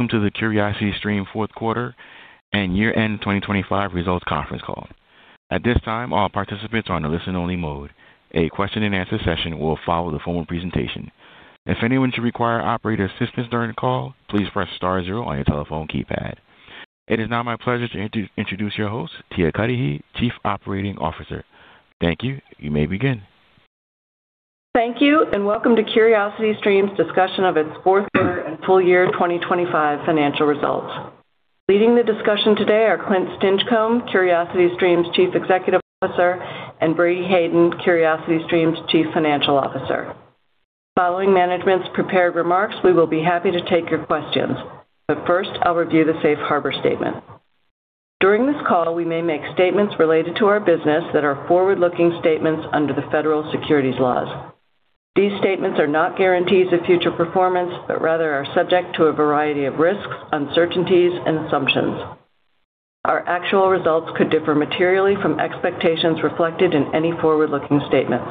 Welcome to the CuriosityStream fourth quarter and year-end 2025 results conference call. At this time, all participants are on a listen-only mode. A question-and-answer session will follow the formal presentation. If anyone should require operator assistance during the call, please press star zero on your telephone keypad. It is now my pleasure to introduce your host, Tia Cudahy, Chief Operating Officer. Thank you. You may begin. Thank you and welcome to CuriosityStream's discussion of its fourth quarter and full year 2025 financial results. Leading the discussion today are Clint Stinchcomb, CuriosityStream's Chief Executive Officer, and Brady Hayden, CuriosityStream's Chief Financial Officer. Following management's prepared remarks, we will be happy to take your questions, but first I'll review the safe harbor statement. During this call, we may make statements related to our business that are forward-looking statements under the federal securities laws. These statements are not guarantees of future performance, but rather are subject to a variety of risks, uncertainties and assumptions. Our actual results could differ materially from expectations reflected in any forward-looking statements.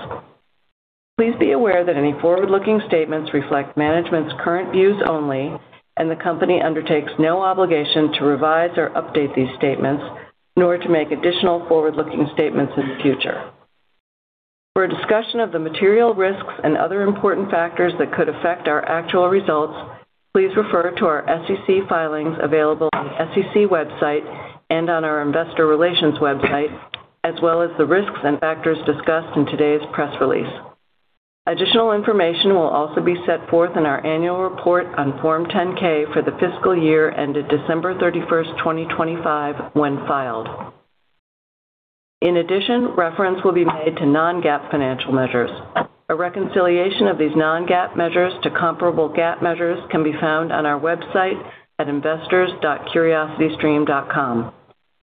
Please be aware that any forward-looking statements reflect management's current views only, and the company undertakes no obligation to revise or update these statements nor to make additional forward-looking statements in the future. For a discussion of the material risks and other important factors that could affect our actual results, please refer to our SEC filings available on the SEC website and on our investor relations website, as well as the risks and factors discussed in today's press release. Additional information will also be set forth in our annual report on Form 10-K for the fiscal year ended December 31, 2025, when filed. In addition, reference will be made to non-GAAP financial measures. A reconciliation of these non-GAAP measures to comparable GAAP measures can be found on our website at investors.curiositystream.com.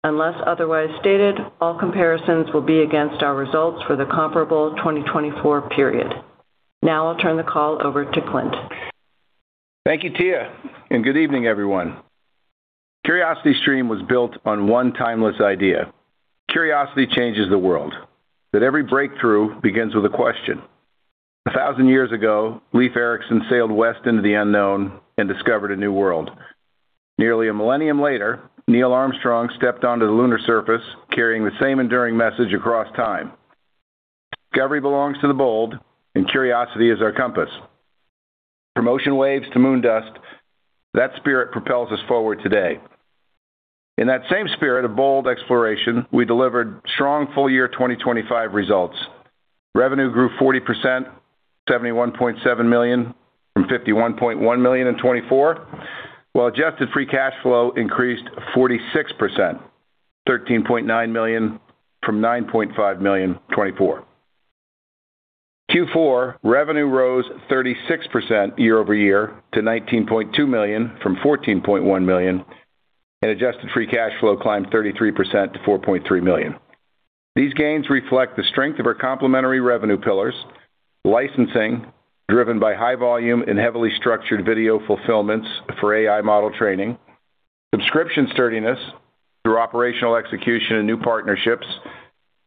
Unless otherwise stated, all comparisons will be against our results for the comparable 2024 period. Now I'll turn the call over to Clint. Thank you, Tia, and good evening, everyone. CuriosityStream was built on one timeless idea: curiosity changes the world, that every breakthrough begins with a question. A thousand years ago, Leif Erikson sailed west into the unknown and discovered a new world. Nearly a millennium later, Neil Armstrong stepped onto the lunar surface carrying the same enduring message across time. Discovery belongs to the bold, and curiosity is our compass. From ocean waves to moon dust, that spirit propels us forward today. In that same spirit of bold exploration, we delivered strong full year 2025 results. Revenue grew 40%, $71.7 million from $51.1 million in 2024, while adjusted free cash flow increased 46%, $13.9 million from $9.5 million 2024. Q4 revenue rose 36% year-over-year to $19.2 million from $14.1 million and adjusted free cash flow climbed 33% to $4.3 million. These gains reflect the strength of our complementary revenue pillars, licensing driven by high volume and heavily structured video fulfillments for AI model training, subscription sturdiness through operational execution and new partnerships,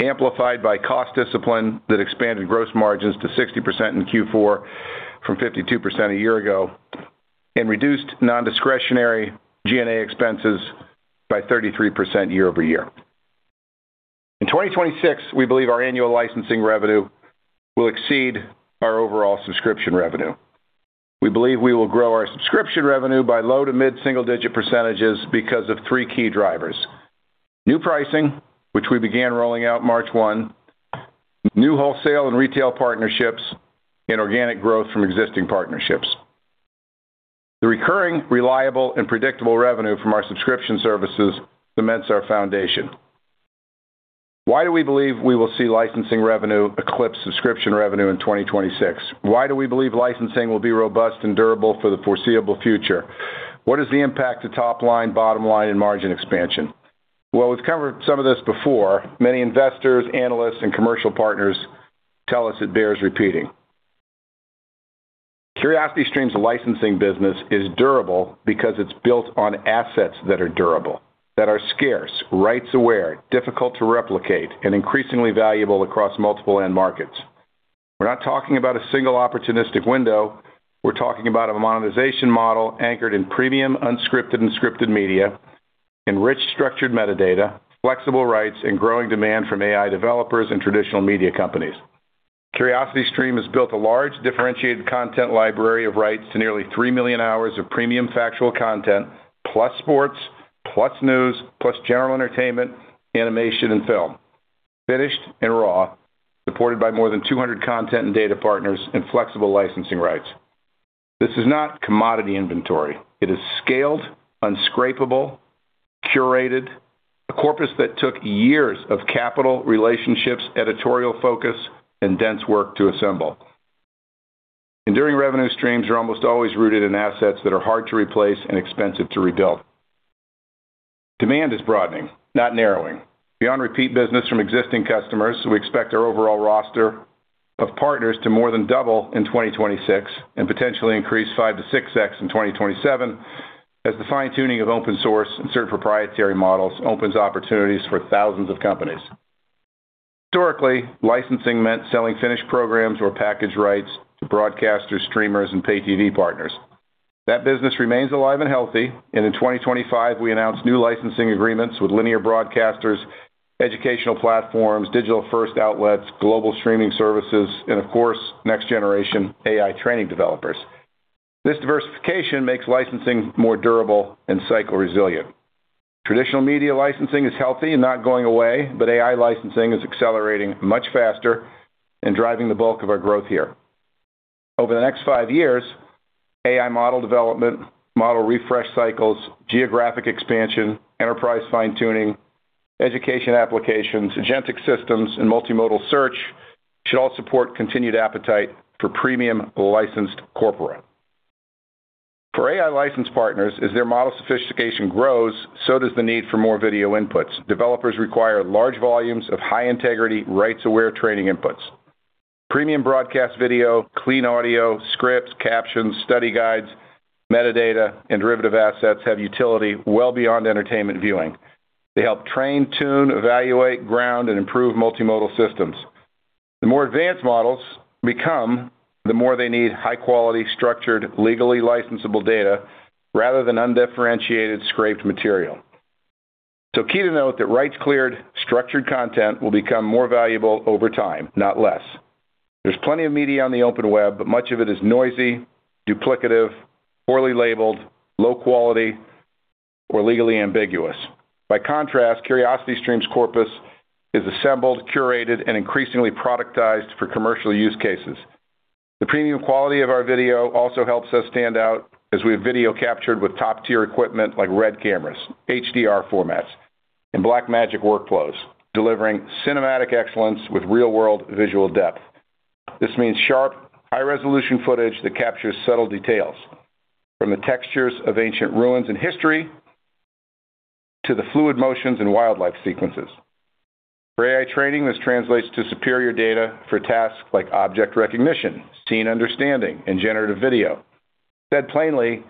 amplified by cost discipline that expanded gross margins to 60% in Q4 from 52% a year ago and reduced non-discretionary G&A expenses by 33% year-over-year. In 2026, we believe our annual licensing revenue will exceed our overall subscription revenue. We believe we will grow our subscription revenue by low- to mid-single digit percentages because of three key drivers. New pricing, which we began rolling out March 1, new wholesale and retail partnerships and organic growth from existing partnerships. The recurring, reliable and predictable revenue from our subscription services cements our foundation. Why do we believe we will see licensing revenue eclipse subscription revenue in 2026? Why do we believe licensing will be robust and durable for the foreseeable future? What is the impact to top line, bottom line and margin expansion? While we've covered some of this before, many investors, analysts and commercial partners tell us it bears repeating. CuriosityStream's licensing business is durable because it's built on assets that are durable, that are scarce, rights aware, difficult to replicate and increasingly valuable across multiple end markets. We're not talking about a single opportunistic window. We're talking about a monetization model anchored in premium, unscripted and scripted media, enriched structured metadata, flexible rights, and growing demand from AI developers and traditional media companies. CuriosityStream has built a large differentiated content library of rights to nearly 3 million hours of premium factual content, plus sports, plus news, plus general entertainment, animation and film, finished and raw, supported by more than 200 content and data partners and flexible licensing rights. This is not commodity inventory. It is scaled, unscrapable, curated, a corpus that took years of capital, relationships, editorial focus and dense work to assemble. Enduring revenue streams are almost always rooted in assets that are hard to replace and expensive to rebuild. Demand is broadening, not narrowing. Beyond repeat business from existing customers, we expect our overall roster of partners to more than double in 2026 and potentially increase 5x-6x in 2027 as the fine-tuning of open source and certain proprietary models opens opportunities for thousands of companies. Historically, licensing meant selling finished programs or package rights to broadcasters, streamers, and pay TV partners. That business remains alive and healthy, and in 2025, we announced new licensing agreements with linear broadcasters, educational platforms, digital-first outlets, global streaming services, and of course, next generation AI training developers. This diversification makes licensing more durable and cycle resilient. Traditional media licensing is healthy and not going away, but AI licensing is accelerating much faster and driving the bulk of our growth here. Over the next five years, AI model development, model refresh cycles, geographic expansion, enterprise fine-tuning, education applications, agentic systems, and multimodal search should all support continued appetite for premium licensed corpora. For AI license partners, as their model sophistication grows, so does the need for more video inputs. Developers require large volumes of high-integrity, rights-aware training inputs. Premium broadcast video, clean audio, scripts, captions, study guides, metadata, and derivative assets have utility well beyond entertainment viewing. They help train, tune, evaluate, ground, and improve multimodal systems. The more advanced models become, the more they need high-quality, structured, legally licensable data rather than undifferentiated scraped material. Key to note that rights-cleared, structured content will become more valuable over time, not less. There's plenty of media on the open web, but much of it is noisy, duplicative, poorly labeled, low quality, or legally ambiguous. By contrast, CuriosityStream's corpus is assembled, curated, and increasingly productized for commercial use cases. The premium quality of our video also helps us stand out as we have video captured with top-tier equipment like RED cameras, HDR formats, and Blackmagic workflows, delivering cinematic excellence with real-world visual depth. This means sharp, high-resolution footage that captures subtle details, from the textures of ancient ruins in history to the fluid motions in wildlife sequences. For AI training, this translates to superior data for tasks like object recognition, scene understanding, and generative video. Said plainly,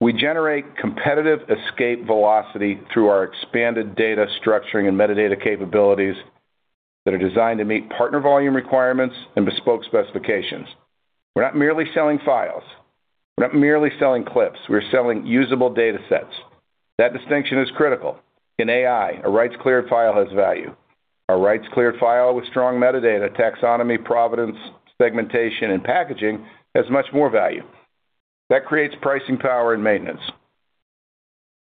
we generate competitive escape velocity through our expanded data structuring and metadata capabilities that are designed to meet partner volume requirements and bespoke specifications. We're not merely selling files. We're not merely selling clips. We're selling usable data sets. That distinction is critical. In AI, a rights-cleared file has value. A rights-cleared file with strong metadata, taxonomy, provenance, segmentation, and packaging has much more value. That creates pricing power and maintenance.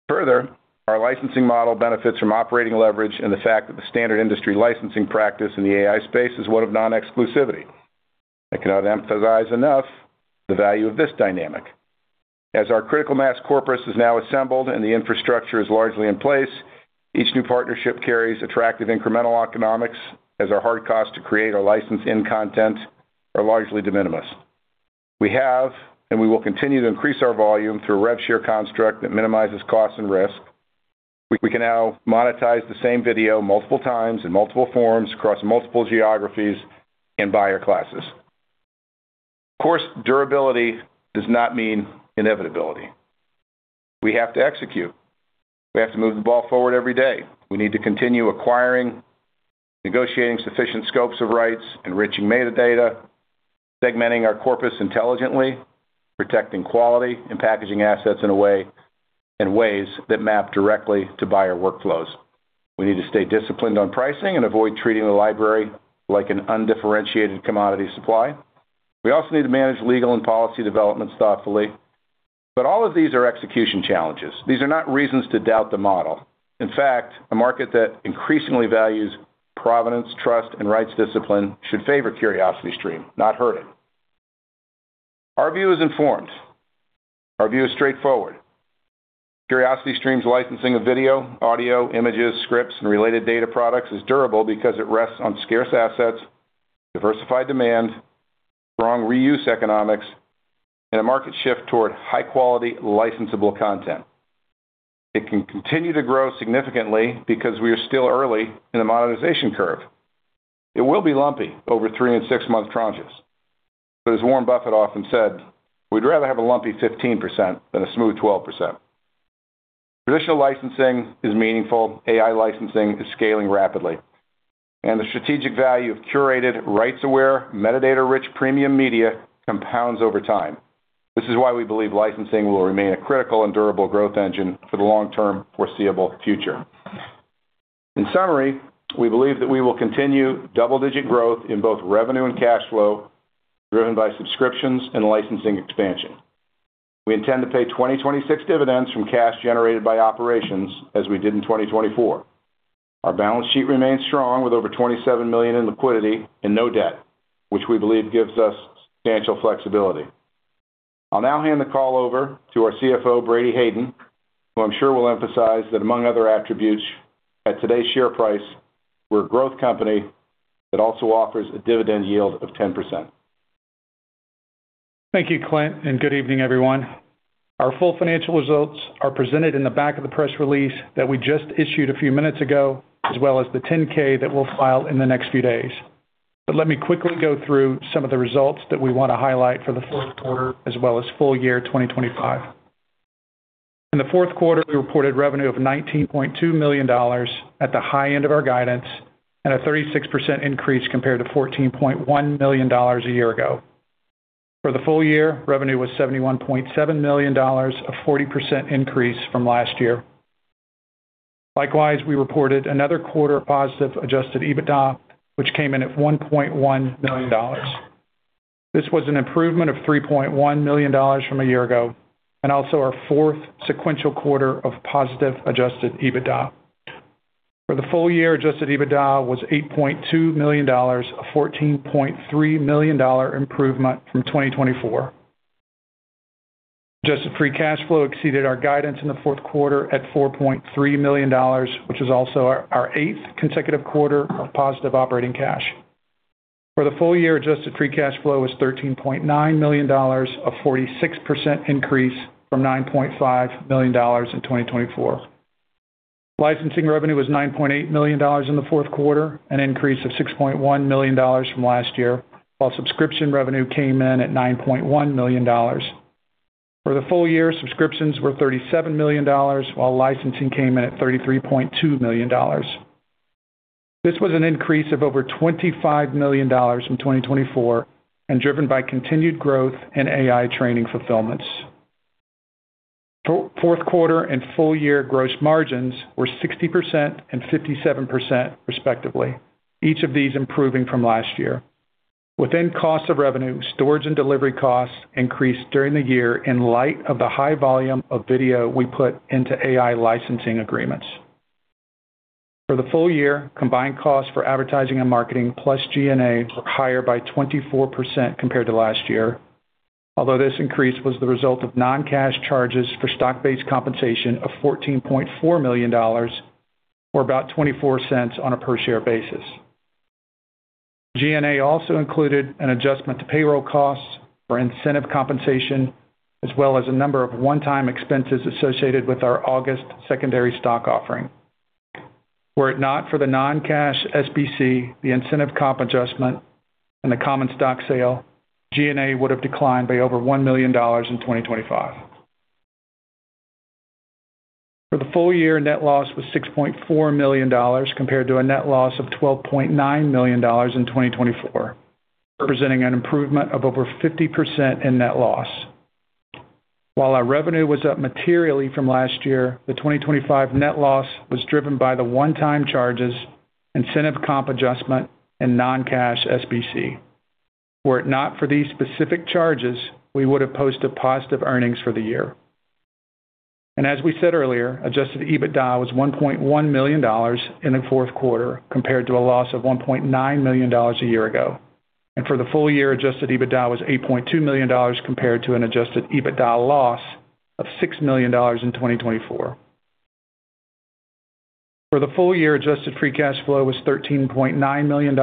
Further, our licensing model benefits from operating leverage and the fact that the standard industry licensing practice in the AI space is one of non-exclusivity. I cannot emphasize enough the value of this dynamic. As our critical mass corpus is now assembled and the infrastructure is largely in place, each new partnership carries attractive incremental economics as our hard costs to create or license in content are largely de minimis. We have, and we will continue to increase our volume through a rev share construct that minimizes cost and risk. We can now monetize the same video multiple times in multiple forms across multiple geographies and buyer classes. Of course, durability does not mean inevitability. We have to execute. We have to move the ball forward every day. We need to continue acquiring, negotiating sufficient scopes of rights, enriching metadata, segmenting our corpus intelligently, protecting quality, and packaging assets in ways that map directly to buyer workflows. We need to stay disciplined on pricing and avoid treating the library like an undifferentiated commodity supply. We also need to manage legal and policy developments thoughtfully. All of these are execution challenges. These are not reasons to doubt the model. In fact, a market that increasingly values provenance, trust, and rights discipline should favor CuriosityStream, not hurt it. Our view is informed. Our view is straightforward. CuriosityStream's licensing of video, audio, images, scripts, and related data products is durable because it rests on scarce assets, diversified demand, strong reuse economics, and a market shift toward high-quality, licensable content. It can continue to grow significantly because we are still early in the monetization curve. It will be lumpy over three and six month tranches. As Warren Buffett often said, "We'd rather have a lumpy 15% than a smooth 12%." Traditional licensing is meaningful, AI licensing is scaling rapidly, and the strategic value of curated, rights-aware, metadata-rich premium media compounds over time. This is why we believe licensing will remain a critical and durable growth engine for the long-term foreseeable future. In summary, we believe that we will continue double-digit growth in both revenue and cash flow, driven by subscriptions and licensing expansion. We intend to pay 2026 dividends from cash generated by operations as we did in 2024. Our balance sheet remains strong with over $27 million in liquidity and no debt, which we believe gives us substantial flexibility. I'll now hand the call over to our CFO, P. Brady Hayden, who I'm sure will emphasize that among other attributes, at today's share price, we're a growth company that also offers a dividend yield of 10%. Thank you, Clint, and good evening, everyone. Our full financial results are presented in the back of the press release that we just issued a few minutes ago, as well as the 10-K that we'll file in the next few days. Let me quickly go through some of the results that we want to highlight for the fourth quarter as well as full year 2025. In the fourth quarter, we reported revenue of $19.2 million at the high end of our guidance and a 36% increase compared to $14.1 million a year ago. For the full year, revenue was $71.7 million, a 40% increase from last year. Likewise, we reported another quarter positive adjusted EBITDA which came in at $1.1 million. This was an improvement of $3.1 million from a year ago and also our fourth sequential quarter of positive adjusted EBITDA. For the full year, adjusted EBITDA was $8.2 million, a $14.3 million improvement from 2024. Adjusted free cash flow exceeded our guidance in the fourth quarter at $4.3 million, which is also our eighth consecutive quarter of positive operating cash. For the full year, adjusted free cash flow was $13.9 million, a 46% increase from $9.5 million in 2024. Licensing revenue was $9.8 million in the fourth quarter, an increase of $6.1 million from last year, while subscription revenue came in at $9.1 million. For the full year, subscriptions were $37 million while licensing came in at $33.2 million. This was an increase of over $25 million from 2024 and driven by continued growth in AI training fulfillments. For fourth quarter and full year, gross margins were 60% and 57% respectively, each of these improving from last year. Within cost of revenue, storage and delivery costs increased during the year in light of the high volume of video we put into AI licensing agreements. For the full year, combined costs for advertising and marketing, plus G&A were higher by 24% compared to last year. Although this increase was the result of non-cash charges for stock-based compensation of $14.4 million, or about $0.24 on a per-share basis. G&A also included an adjustment to payroll costs for incentive compensation, as well as a number of one-time expenses associated with our August secondary stock offering. Were it not for the non-cash SBC, the incentive comp adjustment and the common stock sale, G&A would have declined by over $1 million in 2025. For the full year, net loss was $6.4 million, compared to a net loss of $12.9 million in 2024, representing an improvement of over 50% in net loss. While our revenue was up materially from last year, the 2025 net loss was driven by the one-time charges, incentive comp adjustment, and non-cash SBC. Were it not for these specific charges, we would have posted positive earnings for the year. As we said earlier, adjusted EBITDA was $1.1 million in the fourth quarter, compared to a loss of $1.9 million a year ago. For the full year, adjusted EBITDA was $8.2 million compared to an adjusted EBITDA loss of $6 million in 2024. For the full year, adjusted free cash flow was $13.9 million, a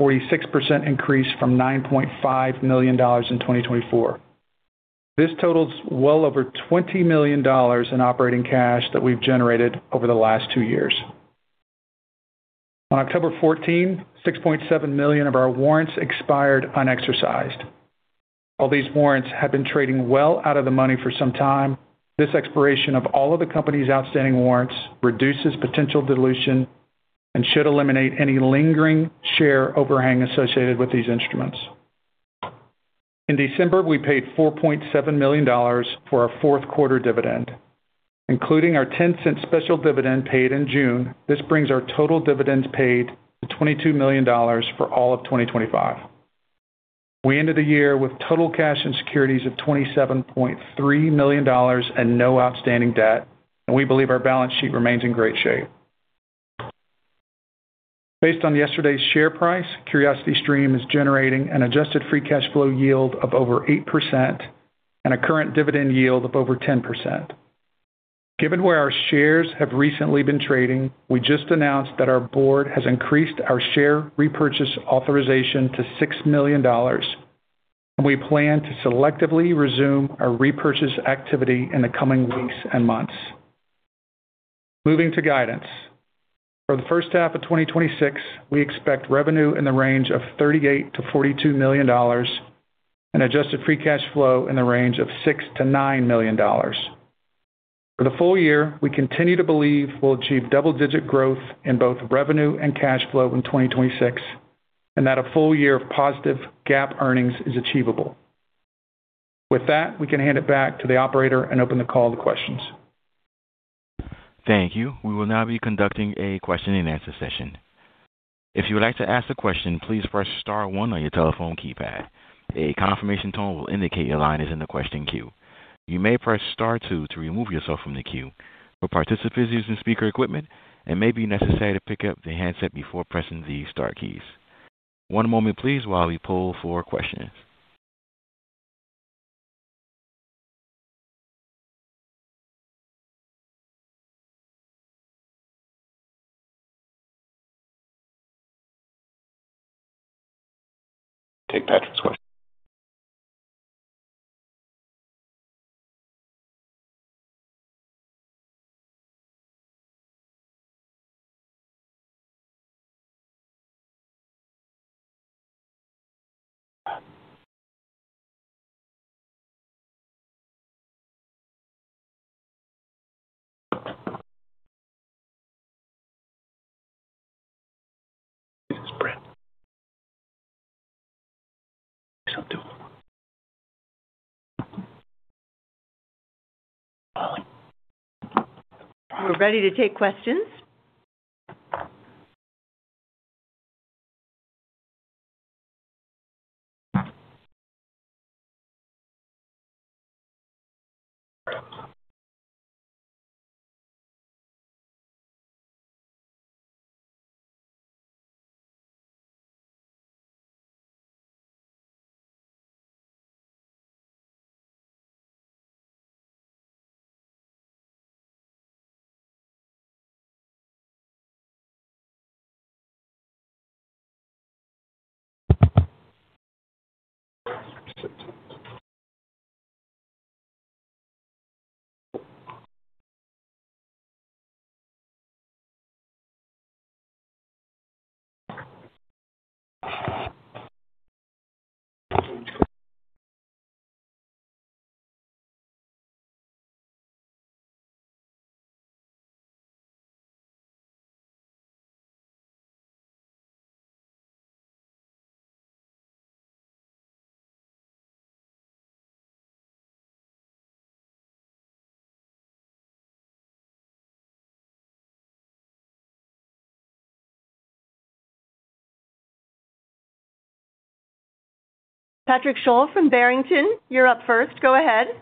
46% increase from $9.5 million in 2024. This totals well over $20 million in operating cash that we've generated over the last two years. On October 14, 6.7 million of our warrants expired unexercised. While these warrants have been trading well out of the money for some time, this expiration of all of the company's outstanding warrants reduces potential dilution and should eliminate any lingering share overhang associated with these instruments. In December, we paid $4.7 million for our fourth quarter dividend, including our 10-cent special dividend paid in June. This brings our total dividends paid to $22 million for all of 2025. We ended the year with total cash and securities of $27.3 million and no outstanding debt, and we believe our balance sheet remains in great shape. Based on yesterday's share price, CuriosityStream is generating an adjusted free cash flow yield of over 8% and a current dividend yield of over 10%. Given where our shares have recently been trading, we just announced that our board has increased our share repurchase authorization to $6 million. We plan to selectively resume our repurchase activity in the coming weeks and months. Moving to guidance. For the first half of 2026, we expect revenue in the range of $38 million-$42 million and adjusted free cash flow in the range of $6 million-$9 million. For the full year, we continue to believe we'll achieve double-digit growth in both revenue and cash flow in 2026, and that a full year of positive GAAP earnings is achievable. With that, we can hand it back to the operator and open the call to questions. Thank you. We will now be conducting a question and answer session. If you would like to ask a question, please press star one on your telephone keypad. A confirmation tone will indicate your line is in the question queue. You may press star two to remove yourself from the queue. For participants using speaker equipment, it may be necessary to pick up the handset before pressing the star keys. One moment, please, while we pull for questions. Take Patrick's question. We're ready to take questions. Patrick Sholl from Barrington Research, you're up first. Go ahead.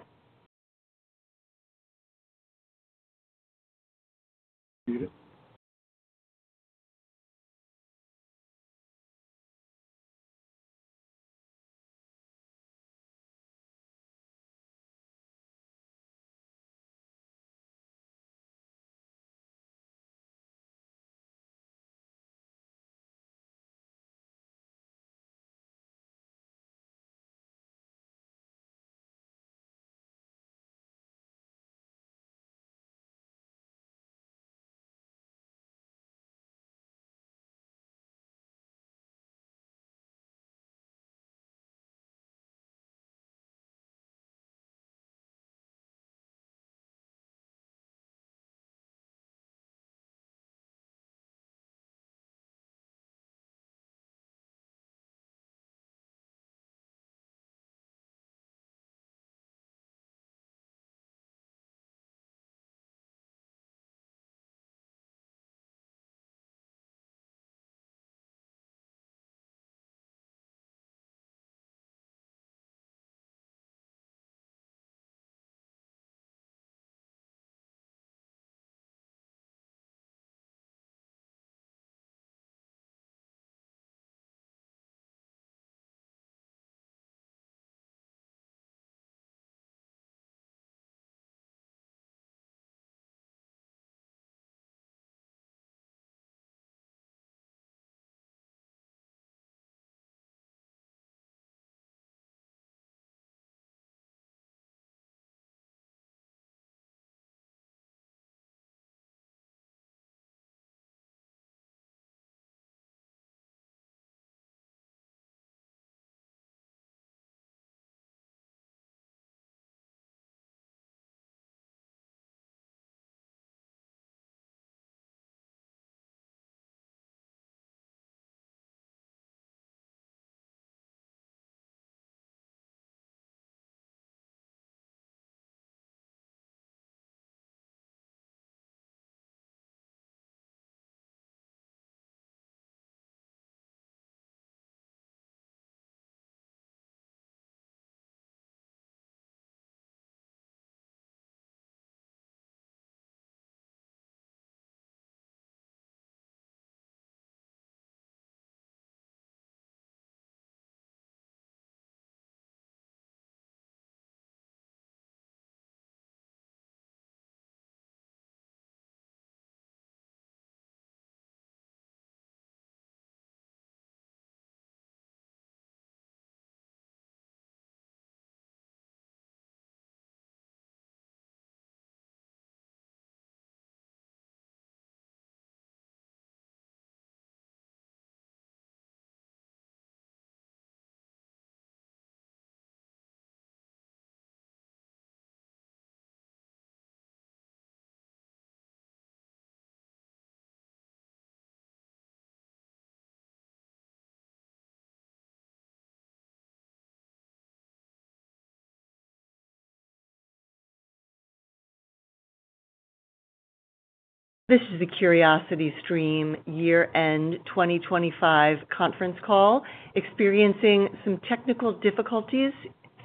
This is a CuriosityStream year-end 2025 conference call experiencing some technical difficulties.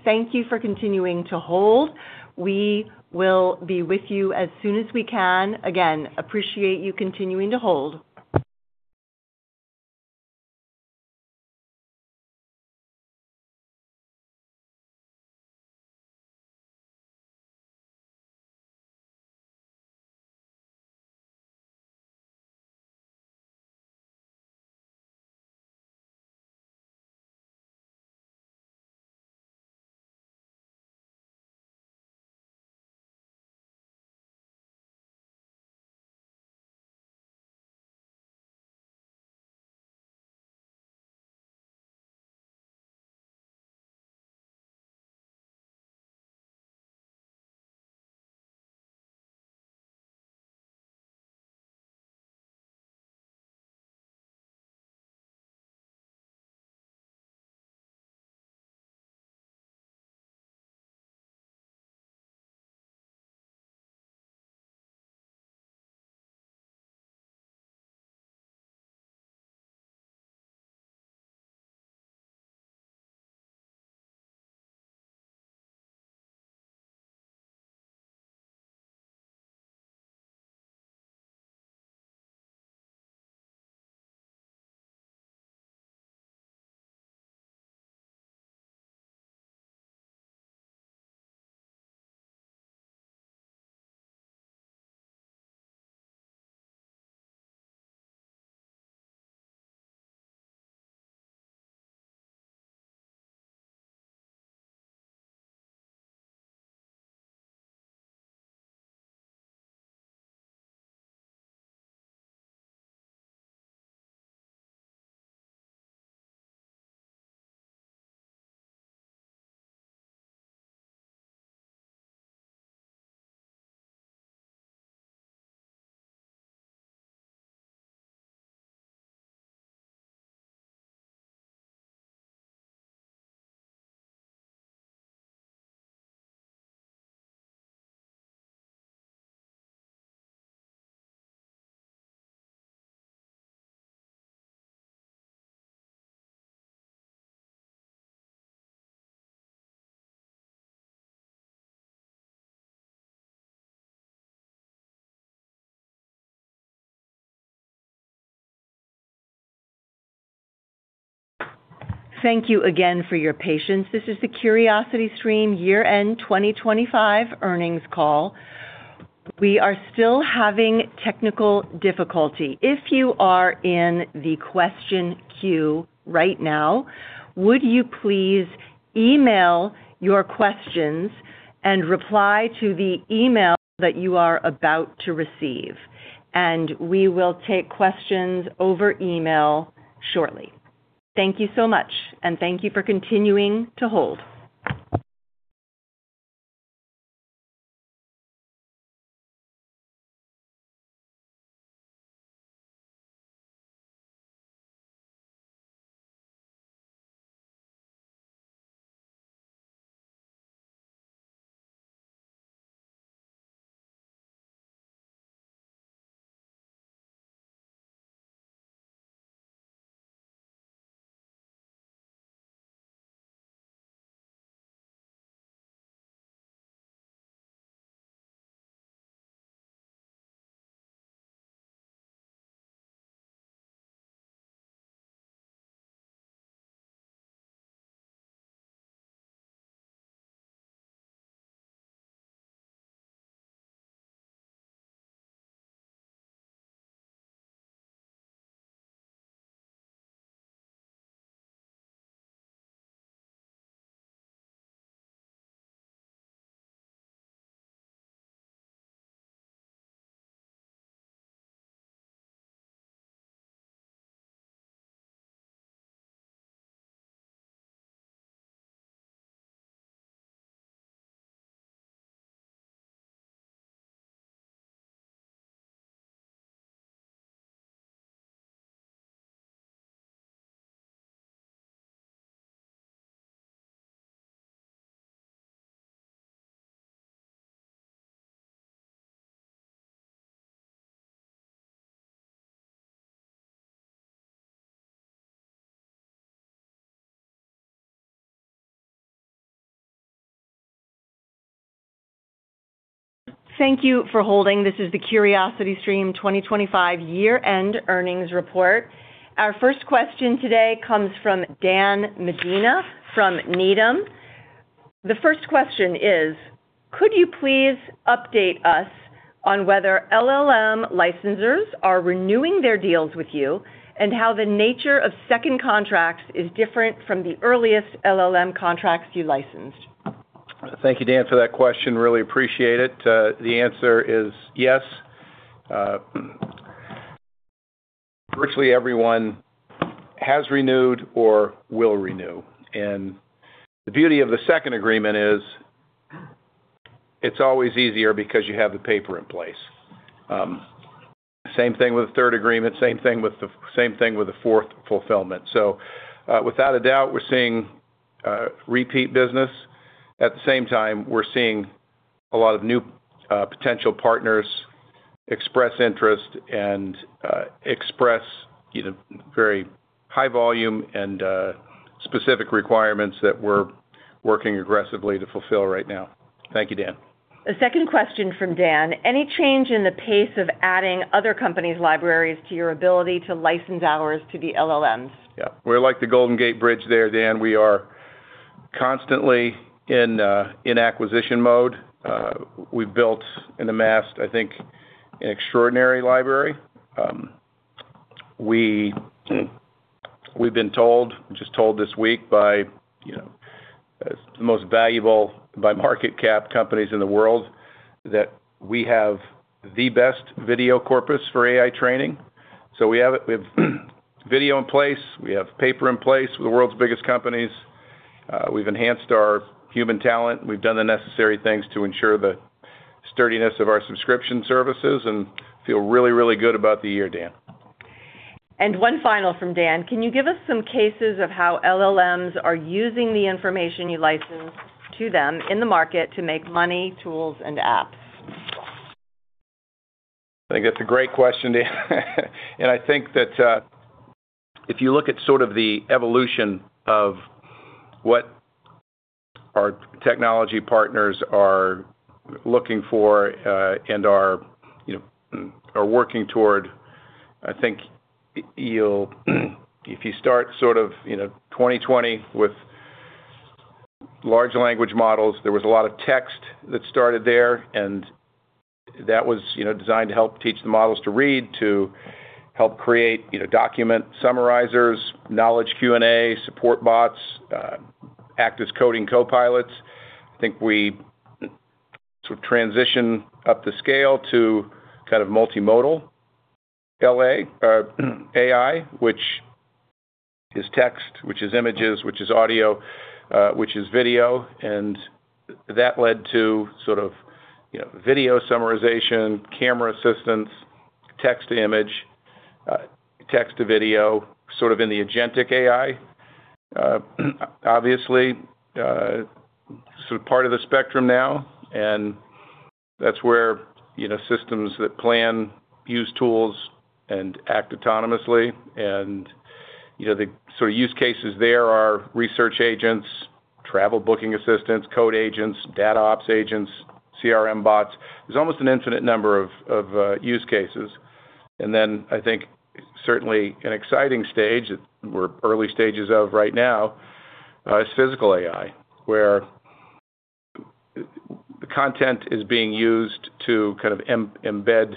Thank you for continuing to hold. We will be with you as soon as we can. Again, appreciate you continuing to hold. Thank you again for your patience. This is the CuriosityStream year-end 2025 earnings call. We are still having technical difficulty. If you are in the question queue right now, would you please email your questions and reply to the email that you are about to receive? We will take questions over email shortly. Thank you so much, and thank you for continuing to hold. Thank you for holding. This is the CuriosityStream 2025 year-end earnings report. Our first question today comes from Dan Medina from Needham & Company. The first question is, could you please update us on whether LLM licensors are renewing their deals with you and how the nature of second contracts is different from the earliest LLM contracts you licensed? Thank you, Dan, for that question. Really appreciate it. The answer is yes. Virtually everyone has renewed or will renew. The beauty of the second agreement is it's always easier because you have the paper in place. Same thing with the third agreement, same thing with the fourth fulfillment. Without a doubt, we're seeing repeat business. At the same time, we're seeing a lot of new potential partners express interest and express either very high volume and specific requirements that we're working aggressively to fulfill right now. Thank you, Dan. A second question from Dan Medina. Any change in the pace of adding other company's libraries to your ability to license ours to the LLMs? Yeah. We're like the Golden Gate Bridge there, Dan. We are constantly in acquisition mode. We've built and amassed, I think, an extraordinary library. We've just been told this week by, you know, the most valuable by market cap companies in the world, that we have the best video corpus for AI training. So we have it. We have video in place, we have paper in place with the world's biggest companies. We've enhanced our human talent. We've done the necessary things to ensure the sturdiness of our subscription services and feel really, really good about the year, Dan. One final from Dan: Can you give us some cases of how LLMs are using the information you license to them in the market to make money, tools, and apps? I think that's a great question, Dan. I think that if you look at sort of the evolution of what our technology partners are looking for and are, you know, working toward, I think you'll if you start sort of, you know, 2020 with large language models, there was a lot of text that started there, and that was, you know, designed to help teach the models to read, to help create, you know, document summarizers, knowledge Q&A, support bots, act as coding co-pilots. I think we sort of transition up the scale to kind of multimodal AI, which is text, which is images, which is audio, which is video. That led to sort of, you know, video summarization, camera assistance, text to image, text to video, sort of in the agentic AI, obviously, sort of part of the spectrum now. That's where, you know, systems that plan, use tools, and act autonomously. You know, the sort of use cases there are research agents, travel booking assistants, code agents, DataOps agents, CRM bots. There's almost an infinite number of use cases. I think certainly an exciting stage that we're early stages of right now is physical AI, where the content is being used to kind of embed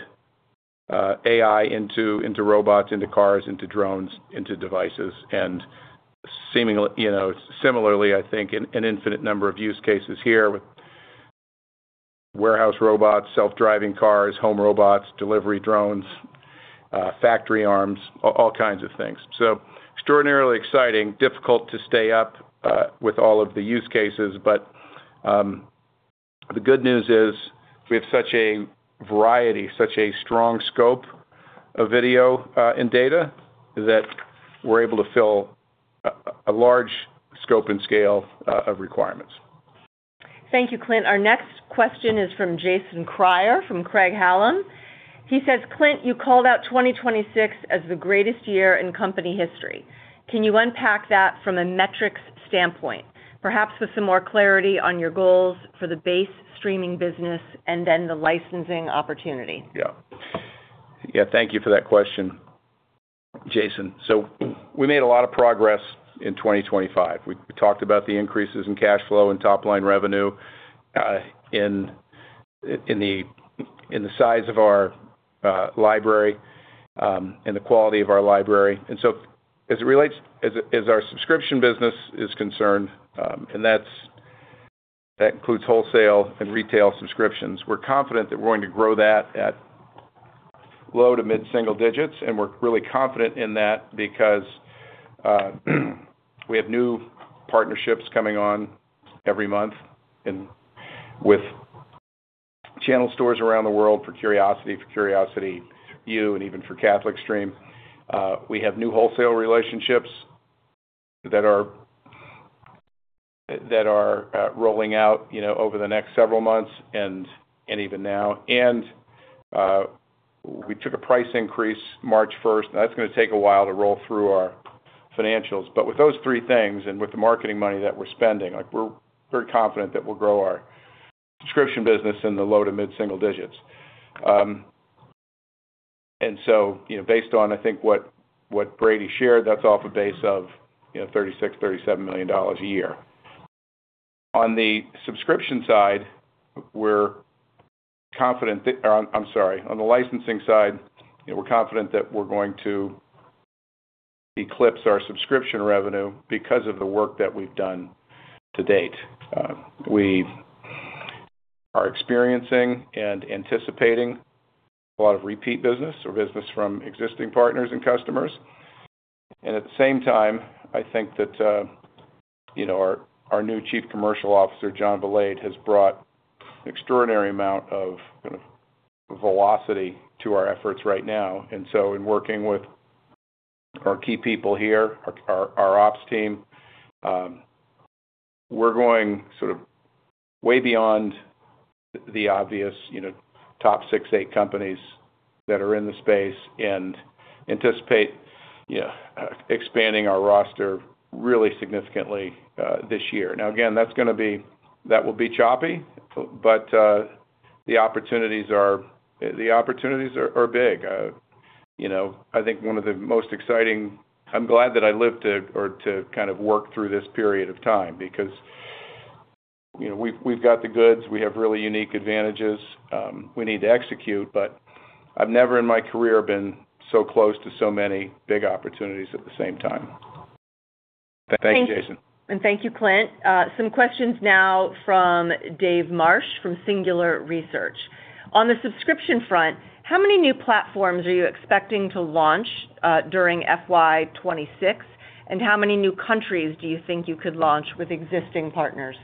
AI into robots, into cars, into drones, into devices, and seemingly you know, similarly, I think an infinite number of use cases here with warehouse robots, self-driving cars, home robots, delivery drones, factory arms, all kinds of things. Extraordinarily exciting, difficult to stay up with all of the use cases. But the good news is we have such a variety, such a strong scope of video and data that we're able to fill a large scope and scale of requirements. Thank you, Clint. Our next question is from Jason Kreyer from Craig-Hallum. He says, Clint, you called out 2026 as the greatest year in company history. Can you unpack that from a metrics standpoint, perhaps with some more clarity on your goals for the base streaming business and then the licensing opportunity? Yeah. Yeah, thank you for that question, Jason. We made a lot of progress in 2025. We talked about the increases in cash flow and top-line revenue in the size of our library and the quality of our library. As our subscription business is concerned, and that includes wholesale and retail subscriptions. We're confident that we're going to grow that at low- to mid-single digits%, and we're really confident in that because we have new partnerships coming on every month and with channel stores around the world for Curiosity, for Curiosity University, and even for Catholic Stream. We have new wholesale relationships that are rolling out, you know, over the next several months and even now. We took a price increase March first. Now, that's gonna take a while to roll through our financials. With those three things and with the marketing money that we're spending, like, we're very confident that we'll grow our subscription business in the low- to mid-single digits. You know, based on, I think, what Brady shared, that's off a base of, you know, $36 million -$37 million a year. On the subscription side, we're confident that, or I'm sorry, on the licensing side, you know, we're confident that we're going to eclipse our subscription revenue because of the work that we've done to date. We are experiencing and anticipating a lot of repeat business or business from existing partners and customers. At the same time, I think that, you know, our new Chief Commercial Officer, John Vilade, has brought extraordinary amount of kind of velocity to our efforts right now. In working with our key people here, our ops team, we're going sort of way beyond the obvious, you know, top 6, 8 companies that are in the space and anticipate, you know, expanding our roster really significantly, this year. Now, again, that will be choppy, but, the opportunities are big. You know, I think one of the most exciting. I'm glad that I lived to kind of work through this period of time because, you know, we've got the goods. We have really unique advantages. We need to execute, but I've never in my career been so close to so many big opportunities at the same time. Thanks, Jason. Thank you, Clint. Some questions now On the subscription front, how many new platforms are you expecting to launch during FY 2026? How many new countries do you think you could launch with existing partners?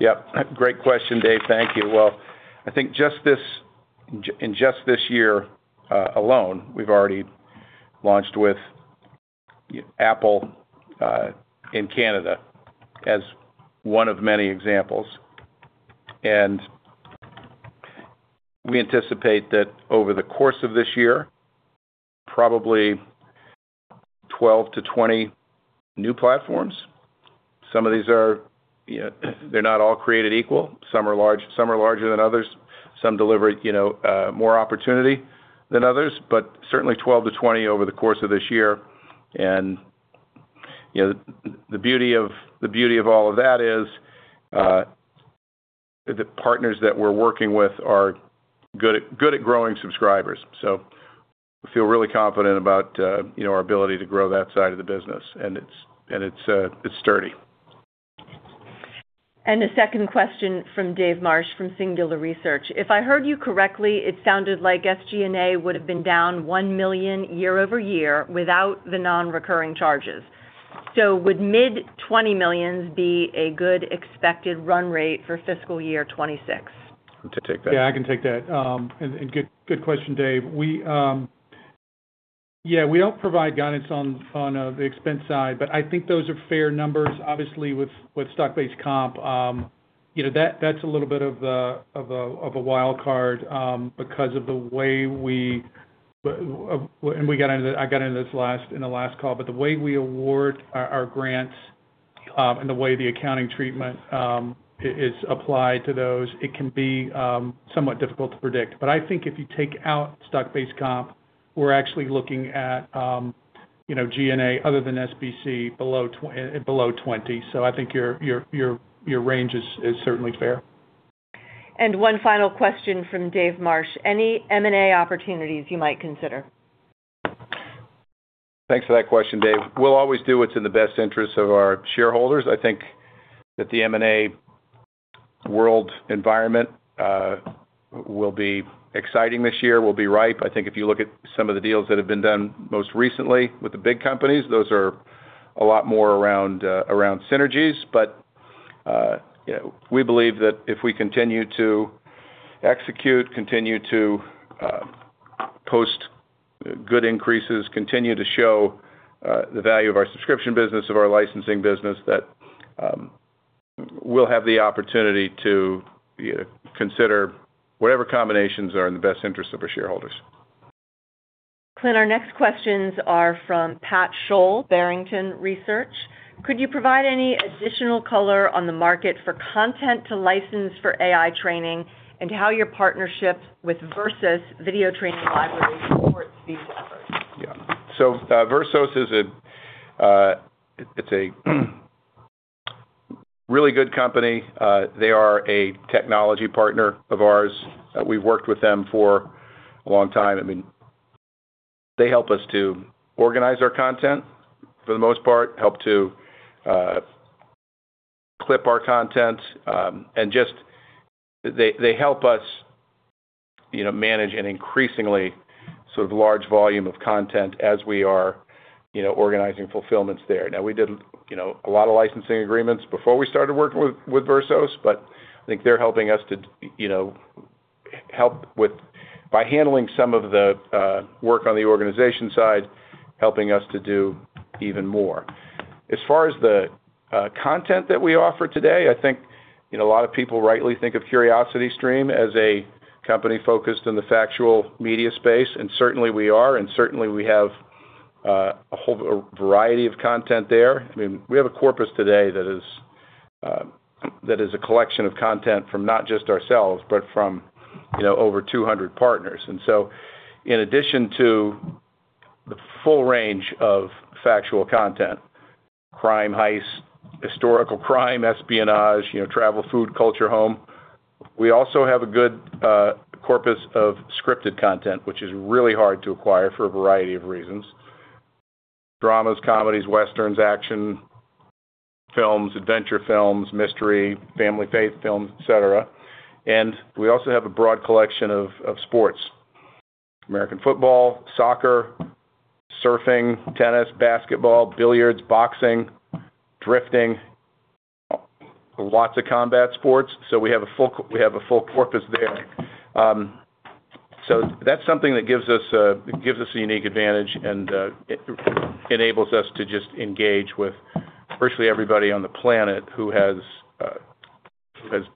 Yep, great question, Dave. Thank you. Well, I think in just this year alone, we've already launched with Apple in Canada as one of many examples. We anticipate that over the course of this year, probably 12-20 new platforms. Some of these are, you know, they're not all created equal. Some are large, some are larger than others, some deliver, you know, more opportunity than others, but certainly 12-20 over the course of this year. You know, the beauty of all of that is the partners that we're working with are good at growing subscribers. We feel really confident about, you know, our ability to grow that side of the business. It's sturdy. A second question from Dave Marsh from Singular Research. If I heard you correctly, it sounded like SG&A would have been down $1 million year-over-year without the non-recurring charges. Would mid-$20 millions be a good expected run rate for fiscal year 2026? Take that. Yeah, I can take that. Good question, Dave. We, yeah, we don't provide guidance on the expense side, but I think those are fair numbers, obviously, with stock-based comp. You know, that's a little bit of a wild card because of the way we got into this in the last call. The way we award our grants and the way the accounting treatment is applied to those, it can be somewhat difficult to predict. I think if you take out stock-based comp, we're actually looking at, you know, G&A other than SBC below $20. I think your range is certainly fair. One final question from Dave Marsh. Any M&A opportunities you might consider? Thanks for that question, Dave. We'll always do what's in the best interest of our shareholders. I think that the M&A world environment will be exciting this year, will be ripe. I think if you look at some of the deals that have been done most recently with the big companies, those are a lot more around synergies. You know, we believe that if we continue to execute, continue to post good increases, continue to show the value of our subscription business, of our licensing business, that we'll have the opportunity to consider whatever combinations are in the best interest of our shareholders. Clint, our next questions are from Patrick Sholl, Barrington Research. Could you provide any additional color on the market for content to license for AI training and how your partnership with Versos Video Training Library supports these efforts? Yeah. Versos is a really good company. They are a technology partner of ours. We've worked with them for a long time. I mean, they help us to organize our content for the most part, help to clip our content, and just they help us, you know, manage an increasingly sort of large volume of content as we are, you know, organizing fulfillments there. Now, we did, you know, a lot of licensing agreements before we started working with Versos, but I think they're helping us to, you know, help by handling some of the work on the organization side, helping us to do even more. As far as the content that we offer today, I think, you know, a lot of people rightly think of CuriosityStream as a company focused in the factual media space, and certainly we are, and certainly we have a whole variety of content there. I mean, we have a corpus today that is a collection of content from not just ourselves, but from, you know, over 200 partners. In addition to the full range of factual content, crime, heist, historical crime, espionage, you know, travel, food, culture, home, we also have a good corpus of scripted content, which is really hard to acquire for a variety of reasons. Dramas, comedies, westerns, action films, adventure films, mystery, family faith films, et cetera. We also have a broad collection of sports. American football, soccer, surfing, tennis, basketball, billiards, boxing, drifting, lots of combat sports. We have a full corpus there. That's something that gives us a unique advantage and enables us to just engage with virtually everybody on the planet who has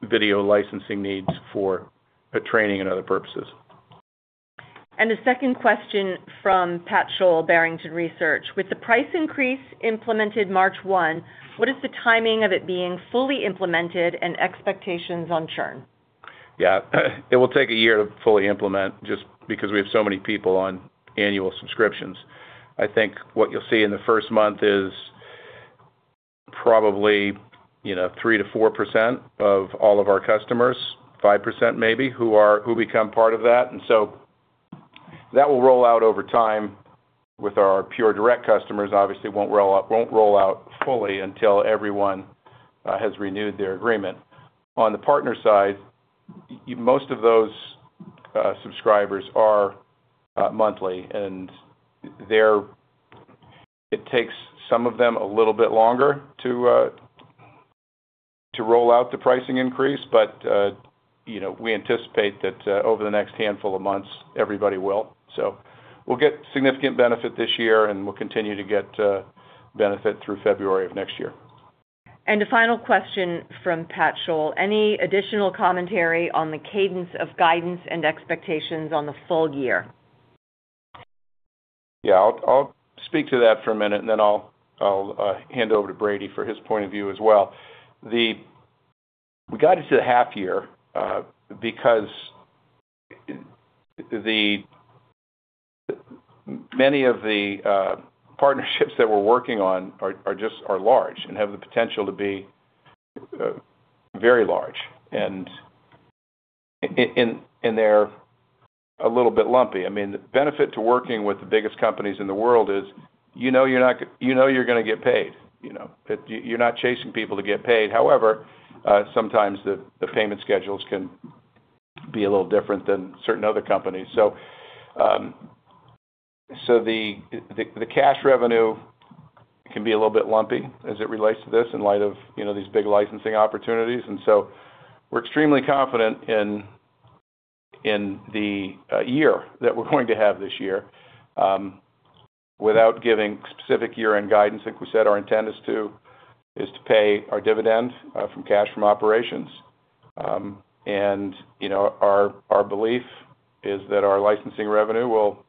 video licensing needs for training and other purposes. A second question from Patrick Sholl, Barrington Research. With the price increase implemented March 1, what is the timing of it being fully implemented and expectations on churn? Yeah. It will take a year to fully implement just because we have so many people on annual subscriptions. I think what you'll see in the first month is probably, you know, 3%-4% of all of our customers, 5% maybe, who become part of that. That will roll out over time with our pure direct customers. Obviously, it won't roll out fully until everyone has renewed their agreement. On the partner side, most of those subscribers are monthly, and it takes some of them a little bit longer to roll out the pricing increase. You know, we anticipate that over the next handful of months, everybody will. We'll get significant benefit this year, and we'll continue to get benefit through February of next year. A final question from Patrick Sholl. Any additional commentary on the cadence of guidance and expectations on the full year? Yeah. I'll speak to that for a minute, and then I'll hand over to Brady for his point of view as well. We got into the half year because many of the partnerships that we're working on are just large and have the potential to be very large. They're a little bit lumpy. I mean, the benefit to working with the biggest companies in the world is you know you're not you know you're gonna get paid, you know? You're not chasing people to get paid. However, sometimes the payment schedules can be a little different than certain other companies. The cash revenue can be a little bit lumpy as it relates to this in light of, you know, these big licensing opportunities. We're extremely confident in the year that we're going to have this year, without giving specific year-end guidance. Like we said, our intent is to pay our dividends from cash from operations. You know, our belief is that our licensing revenue will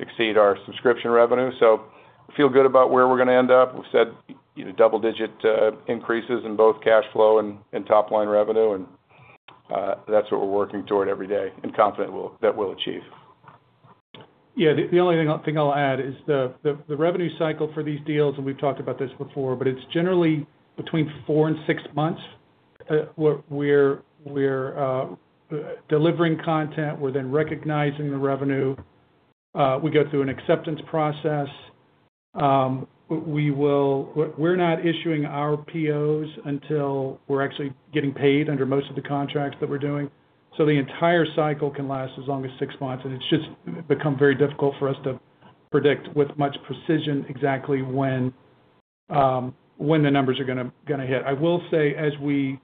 exceed our subscription revenue. We feel good about where we're gonna end up. We've said, you know, double-digit increases in both cash flow and top-line revenue, and that's what we're working toward every day and confident we'll achieve. Yeah. The only thing I'll add is the revenue cycle for these deals, and we've talked about this before, but it's generally between four and six months We're delivering content. We're then recognizing the revenue. We go through an acceptance process. We're not issuing our POs until we're actually getting paid under most of the contracts that we're doing. The entire cycle can last as long as 6 months, and it's just become very difficult for us to predict with much precision exactly when the numbers are gonna hit. I will say as we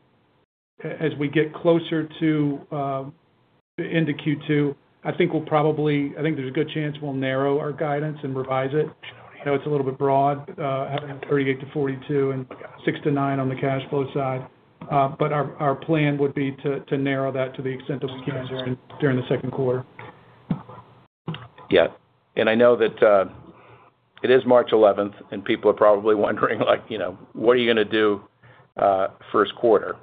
get closer into Q2, I think there's a good chance we'll narrow our guidance and revise it. You know, it's a little bit broad, having 38-42 and 6-9 on the cash flow side. Our plan would be to narrow that to the extent that we can during the second quarter. Yeah. I know that it is March eleventh, and people are probably wondering, like, you know, "What are you gonna do first quarter?"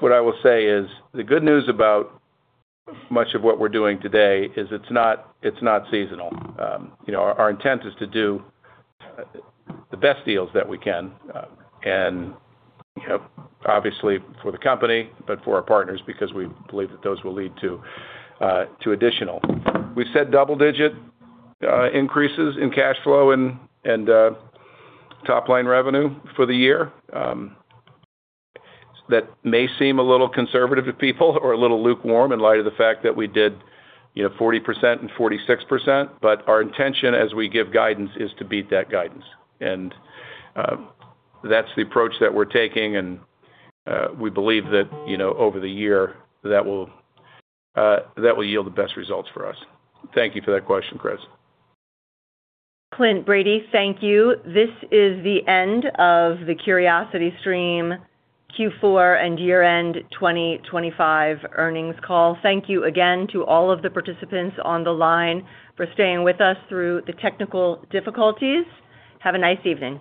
What I will say is the good news about much of what we're doing today is it's not seasonal. You know, our intent is to do the best deals that we can, and, you know, obviously for the company, but for our partners because we believe that those will lead to additional. We said double-digit increases in cash flow and top-line revenue for the year. That may seem a little conservative to people or a little lukewarm in light of the fact that we did, you know, 40% and 46%. Our intention, as we give guidance, is to beat that guidance. That's the approach that we're taking, and we believe that, you know, over the year, that will yield the best results for us. Thank you for that question, Chris. Clint, Brady, thank you. This is the end of the CuriosityStream Q4 and year-end 2025 earnings call. Thank you again to all of the participants on the line for staying with us through the technical difficulties. Have a nice evening.